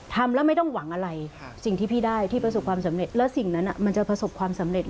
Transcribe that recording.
ทำแล้วไม่ต้องหวังอะไรสิ่งที่พี่ได้ที่ประสบความสำเร็จ